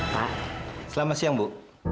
pak selamat siang bu